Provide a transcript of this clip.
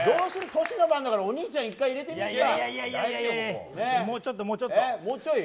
トシの番だからお兄さんを１回入れてみようか。